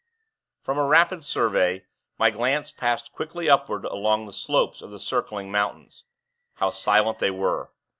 From a rapid survey, my glance passed quickly upward along the slopes of the circling mountains. How silent they were.